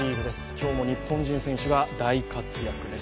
今日も日本人選手が大活躍です。